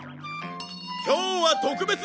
今日は特別！